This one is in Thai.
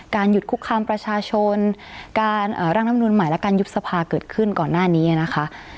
หยุดคุกคามประชาชนการร่างรัฐมนุนใหม่และการยุบสภาเกิดขึ้นก่อนหน้านี้นะคะ